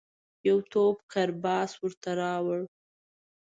یو توپ کرباس ورته راووړ.